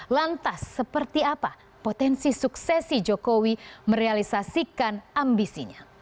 lantas seperti apa potensi suksesi jokowi merealisasikan ambisinya